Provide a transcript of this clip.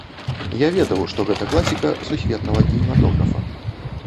Я ведаў, што гэта класіка сусветнага кінематографа.